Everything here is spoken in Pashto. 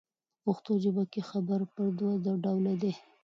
په پښتو ژبه کښي خبر پر دوه ډوله دئ.